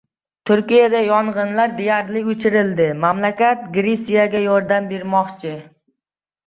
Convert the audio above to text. Turkiyada yong‘inlar deyarli o‘chirildi, mamlakat Gresiyaga yordam bermoqchi